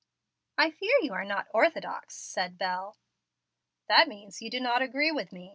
"I fear you are not orthodox," said Bel. "That means you do not agree with me.